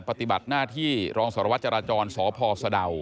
ปฏิบัติหน้าที่รองสารวัตรจราจรสพสะดาว